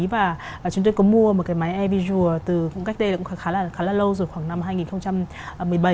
và chúng tôi có mua một cái máy air visual từ cách đây cũng khá là lâu rồi khoảng năm hai nghìn